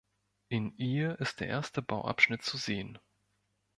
In ihr ist der erste Bauabschnitt zu sehen.